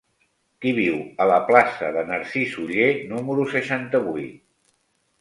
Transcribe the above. Qui viu a la plaça de Narcís Oller número seixanta-vuit?